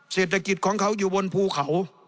เศรษฐกิจของเขาอยู่บนภูเขา